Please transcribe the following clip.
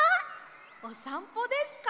おさんぽですか？